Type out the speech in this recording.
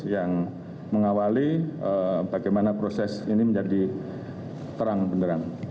yang mengawali bagaimana proses ini menjadi terang beneran